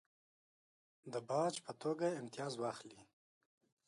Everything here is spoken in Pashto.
د باج په توګه امتیاز واخلي.